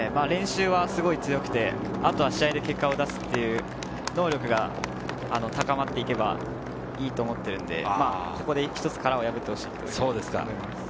練習はすごく強くて、あとは試合で結果を出すという能力が高まっていけばいいと思っているんで、ここで一つ殻を破ってほしいですね。